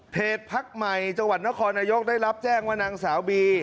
เพจพักใหม่จักรวรรณฐคอร์นโยคได้รับแจ้งว่านางสาวบี